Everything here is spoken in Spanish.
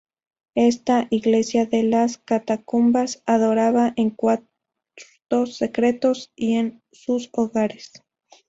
Esta "Iglesia de las Catacumbas" adoraba en cuartos secretos y en sus hogares.